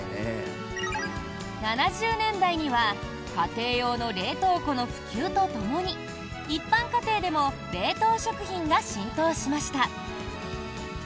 ７０年代には家庭用の冷凍庫の普及とともに一般家庭でも冷凍食品が浸透しました。